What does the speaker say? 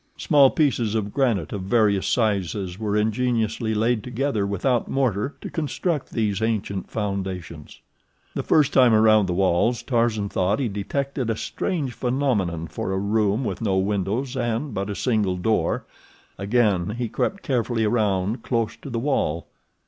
Small pieces of granite of various sizes were ingeniously laid together without mortar to construct these ancient foundations. The first time around the walls Tarzan thought he detected a strange phenomenon for a room with no windows but a single door. Again he crept carefully around close to the wall.